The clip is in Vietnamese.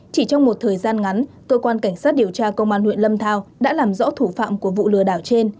chỉ trong một thời gian ngắn cơ quan cảnh sát điều tra công an huyện lâm thao đã làm rõ thủ phạm của vụ lừa đảo trên